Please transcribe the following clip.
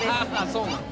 そうなの？